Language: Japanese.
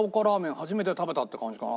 初めて食べたって感じかな。